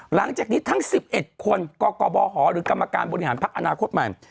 หลังจากนี้ทั้ง๑๑คนกกบหหรือกรรมการบริหารพักอนาคตใหม่